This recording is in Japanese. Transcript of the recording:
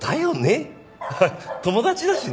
ハハ友達だしね。